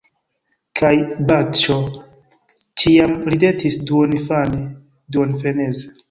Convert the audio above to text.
Kaj Bazĉjo ĉiam ridetis duoninfane, duonfreneze.